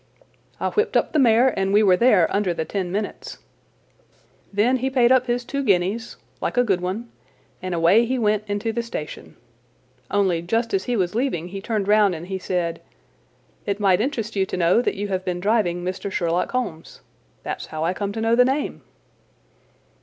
I whipped up the mare and we were there under the ten minutes. Then he paid up his two guineas, like a good one, and away he went into the station. Only just as he was leaving he turned round and he said: 'It might interest you to know that you have been driving Mr. Sherlock Holmes.' That's how I come to know the name."